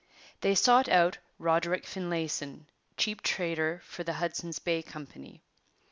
They sought out Roderick Finlayson, chief trader for the Hudson's Bay Company.